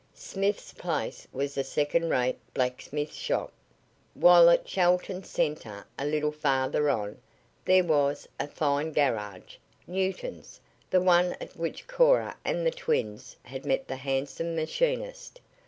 Smith's place was a second rate blacksmith shop, while at Chelton Center, a little farther on, there was a fine garage Newton's the one at which Cora and the twins had met the handsome machinist.